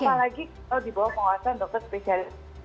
apalagi kalau dibawa penguasa dokter spesialis